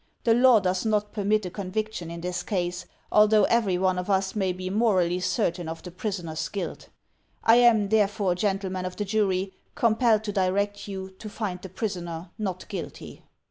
The law does not permit a conviction in this case, although every one of us may be morally certain of the prisoner's guilt. I am, therefore, gentlemen of the jury, compelled to direct you to find the prisoner not guilty."